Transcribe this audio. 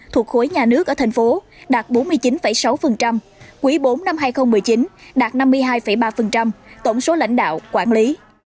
thuộc khối nhà nước ở thành phố đạt bốn mươi chín sáu quý bốn năm hai nghìn một mươi chín đạt năm mươi hai ba tổng số lãnh đạo quản lý